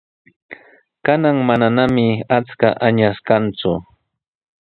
Kanan mananami achka añas kanku.